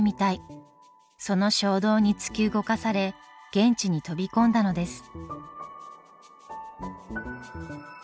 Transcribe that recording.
その衝動に突き動かされ現地に飛び込んだのです。